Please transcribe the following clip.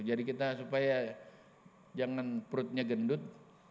jadi kita supaya jangan perutnya gendut